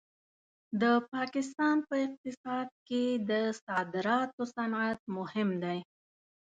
د پاکستان په اقتصاد کې د صادراتو صنعت مهم دی.